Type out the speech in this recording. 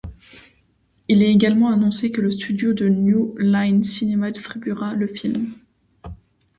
Il est également annoncé que le studio New Line Cinema distribuera le film.